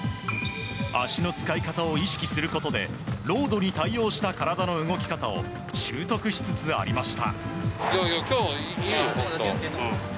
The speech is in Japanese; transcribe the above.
足の使い方を意識することでロードに対応した体の使い方を習得しつつありました。